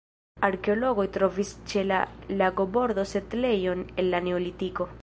Arkeologoj trovis ĉe la lagobordo setlejon el la neolitiko.